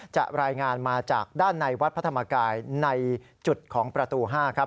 รายงานมาจากด้านในวัดพระธรรมกายในจุดของประตู๕ครับ